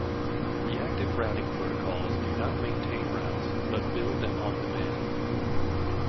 Reactive routing protocols do not maintain routes, but build them on demand.